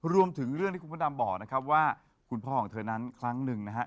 รวมถึงเรื่องที่คุณพระดำบอกนะครับว่าคุณพ่อของเธอนั้นครั้งหนึ่งนะฮะ